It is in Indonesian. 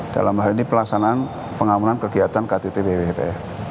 dalam hal ini pelaksanaan pengamanan kegiatan kttwrf